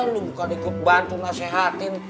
lu bukan dikebantu gak sehatin